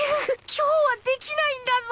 今日はできないんだぞ！